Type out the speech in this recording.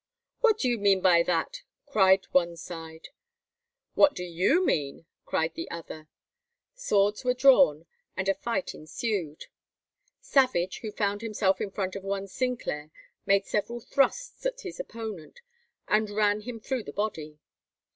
"What do you mean by that?" cried one side. "What do you mean?" cried the other. Swords were drawn, and a fight ensued. Savage, who found himself in front of one Sinclair, made several thrusts at his opponent, and ran him through the body.